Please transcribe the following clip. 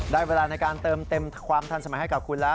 เวลาในการเติมเต็มความทันสมัยให้กับคุณแล้ว